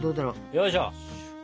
よいしょ。